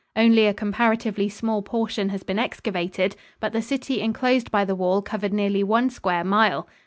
Only a comparatively small portion has been excavated, but the city enclosed by the wall covered nearly one square mile.